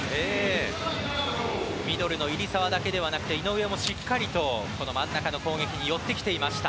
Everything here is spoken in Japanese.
ミドルの入澤だけでなく井上も真ん中の攻撃に寄ってきていました。